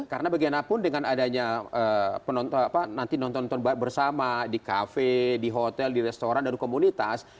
karena bagianapun dengan adanya penonton apa nanti nonton nonton bersama di kafe di hotel di restoran dan komunitas